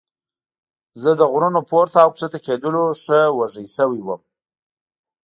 زه له غرونو پورته او ښکته کېدلو ښه وږی شوی وم.